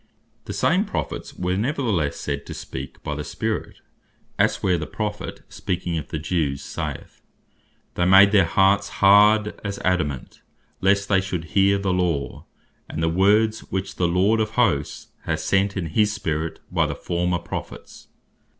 The same Prophets were neverthelesse said to speak by the Spirit; as (Zach. 7. 12.) where the Prophet speaking of the Jewes, saith, "They made their hearths hard as Adamant, lest they should hear the law, and the words which the Lord of Hosts hath sent in his Spirit by the former Prophets."